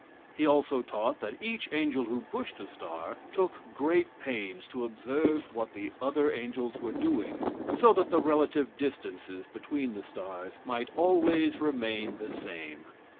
He also taught that each angel who pushed a star took great pains to observe what the other angels were doing, so that the relative distances between the stars might always remain the same.